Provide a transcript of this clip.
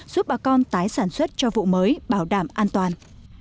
giúp bà con tái sản xuất cho vụ mới bảo đảm an toàn